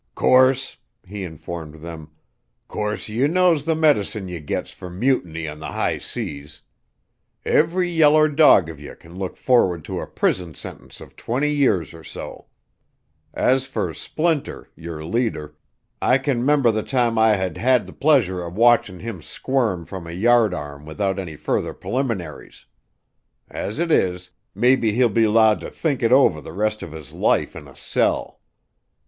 "'Course," he informed them, "'course ye knows the medicine ye gets fer mutiny on the high seas. Every yeller dog of ye can look for'ard to a prison sentence of twenty years or so. As for Splinter yer leader I can 'member the time I'd ha' had the pleasure er watchin' him squirm from a yardarm without any further preliminaries. As 'tis, maybe he'll be 'lowed to think it over th' rest of his life in a cell."